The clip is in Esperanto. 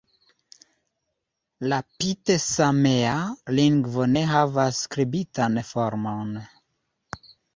La pite-samea lingvo ne havas skribitan formon.